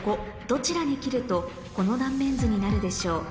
どちらに切るとこの断面図になるでしょう？